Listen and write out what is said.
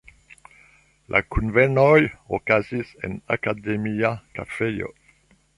La kunvenoj okazis en Akademia kafejo.